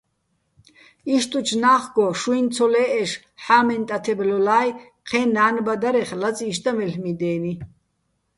იშტუჩ ნა́ხგო შუჲნი̆ ცოლე́ჸეშ ჰ̦ა́მენ ტათებ ლოლა́ჲ, ჴე́ნო, ნა́ნბადარეხ, ლაწიში̆ და მელ'მი დე́ნი.